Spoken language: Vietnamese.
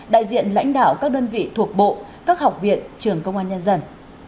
đại diện lãnh đạo các đơn vị thuộc bộ các học viện trường công an nhân dân